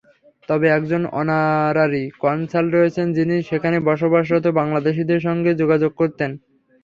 তবে একজন honorary consul রয়েছেন, যিনি সেখানে বসবাসরত বাংলাদেশিদের সঙ্গে যোগাযোগ করছেন।